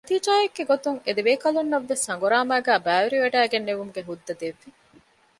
ނަތީޖާއެއްގެ ގޮތުން އެދެބޭކަލުންނަށްވެސް ހަނގުރާމައިގައި ބައިވެރިވެވަޑައިގެންނެވުމުގެ ހުއްދަ ދެއްވި